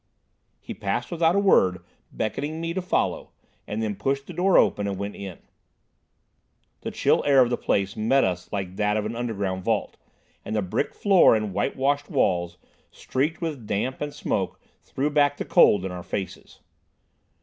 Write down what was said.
He passed without a word, beckoning me to follow, and then pushed the door open, and went in. The chill air of the place met us like that of an underground vault; and the brick floor and whitewashed walls, streaked with damp and smoke, threw back the cold in our faces.